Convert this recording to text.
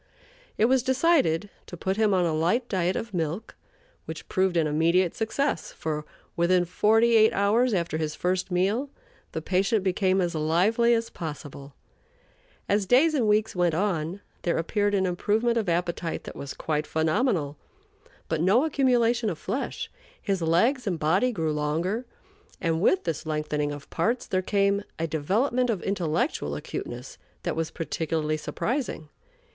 It was decided to put him on a light diet of milk, which proved an immediate success, for, within forty eight hours after his first meal, the patient became as lively as possible. As days and weeks went on, there appeared an improvement of appetite that was quite phenomenal, but no accumulation of flesh. His legs and body grew longer; and, with this lengthening of parts, there came a development of intellectual acuteness that was particularly surprising.